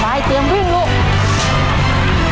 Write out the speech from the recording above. เตรียมวิ่งลูก